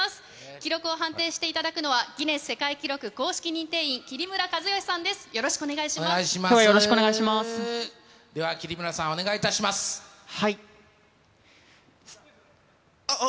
記録を判定していただくのは、ギネス世界記録公式認定員、桐村和由さんです。